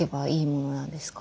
そうなんですか。